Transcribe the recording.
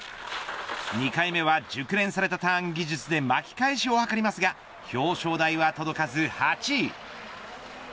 ２回目は、熟練されたターン技術で巻き返しを図りますが表彰台は届かず８位。